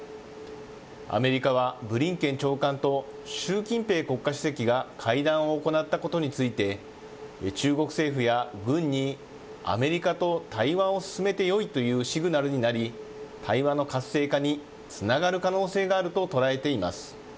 アメリカはブリンケン長官と習近平国家主席が会談を行ったことについて、中国政府や軍に、アメリカと対話を進めてよいというシグナルになり、対話の活性化につながる可能性があると捉えています。